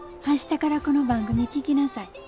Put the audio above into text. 明日からこの番組聴きなさい。